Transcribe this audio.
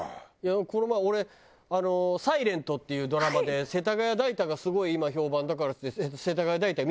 この前俺『ｓｉｌｅｎｔ』っていうドラマで世田谷代田がすごい今評判だからっつって世田谷代田見に行ったよ。